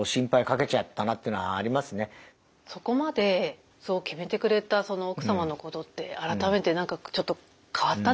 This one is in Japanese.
そこまでそう決めてくれたその奥様のことって改めて何かちょっと変わったんじゃないですか？